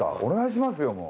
お願いしますよ